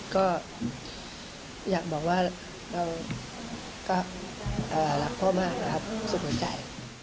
ก็อยากบอกว่าเราก็รักพ่อมากนะครับสุดหัวใจ